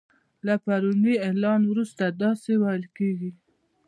له پروني اعلان وروسته داسی ویل کیږي